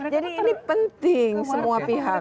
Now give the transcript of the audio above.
jadi ini penting semua pihak